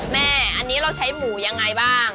แม่อันนี้เราใช้หมูยังไงบ้าง